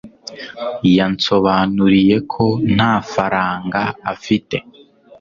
Yansobanuriye ko nta faranga afite